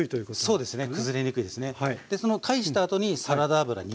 はいそうですね。